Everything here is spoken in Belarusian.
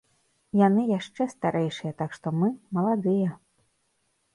Яны яшчэ старэйшыя, так што мы маладыя!